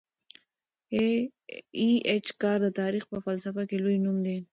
ای اېچ کار د تاریخ په فلسفه کي لوی نوم دی.